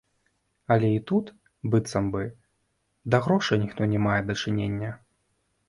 Але і тут, быццам бы, да грошай ніхто не мае дачынення.